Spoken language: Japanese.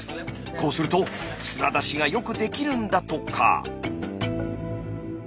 こうすると砂出しがよくできるんだとか。